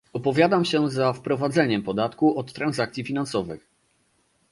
Opowiadam się za wprowadzeniem podatku od transakcji finansowych